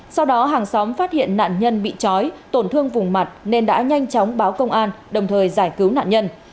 sau đó hàng xóm phát hiện nạn nhân bị chói tổn thương vùng mặt nên đã nhanh chóng báo công an đồng thời giải cứu nạn nhân